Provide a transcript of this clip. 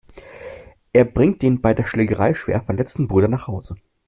Er bringt den bei der Schlägerei schwer verletzten Bruder nach Hause.